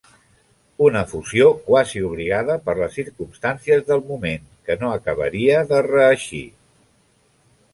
Una fusió quasi obligada per les circumstàncies del moment que no acabaria de reeixir.